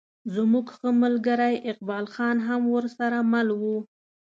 زموږ ښه ملګری اقبال خان هم ورسره مل و.